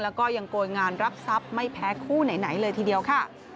แล้วก็ยังโกยงานรับทรัพย์ไม่แพ้คู่ไหนเลยทีเดียวค่ะ